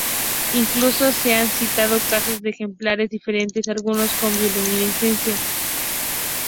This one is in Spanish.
Incluso se han citado casos de ejemplares diferentes, algunos con bioluminiscencia.